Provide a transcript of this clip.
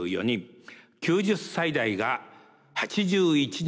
９０歳代が８１人。